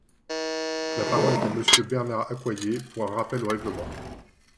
La parole est à Monsieur Bernard Accoyer, pour un rappel au règlement.